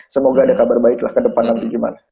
semoga ada kabar baik lah ke depan nanti gimana